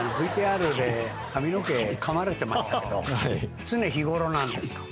ＶＴＲで髪の毛かまれてましたけど常日頃なんですか？